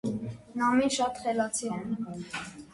Նամին շատ խելացի է։